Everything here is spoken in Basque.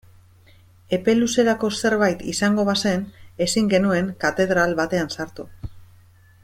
Epe luzerako zerbait izango bazen ezin genuen katedral batean sartu.